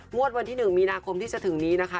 งวดวันที่หนึ่งมีนาคมที่จะถึงนี้นะคะ